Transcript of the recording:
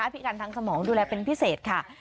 พิการทางสมองดูแลเป็นพิเศษค่ะ